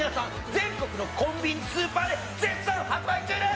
全国のコンビニスーパーで絶賛発売中です